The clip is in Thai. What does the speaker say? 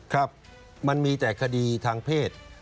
ครับมันมีแต่คดีทางเพศ